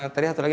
tadi satu lagi